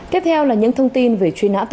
tiếp theo là những thông tin về truy nã tội phạm